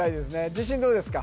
自信どうですか？